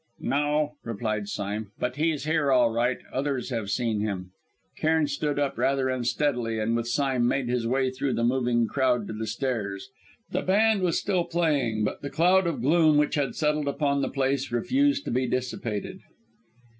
"No," replied Sime, "but he's here alright; others have seen him." Cairn stood up rather unsteadily, and with Sime made his way through the moving crowd to the stairs. The band was still playing, but the cloud of gloom which had settled upon the place, refused to be dissipated.